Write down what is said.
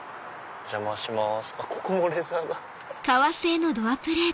お邪魔します。